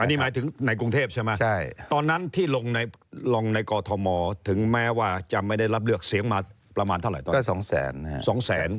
อันนี้หมายถึงในกรุงเทพใช่ไหมตอนนั้นที่ลงในกอทมถึงแม้ว่าจะไม่ได้รับเลือกเสียงมาประมาณเท่าไหร่ตอนนี้